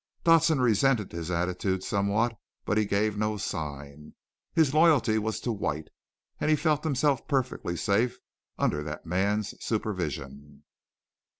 Dodson resented his attitude somewhat, but gave no sign. His loyalty was to White, and he felt himself perfectly safe under that man's supervision.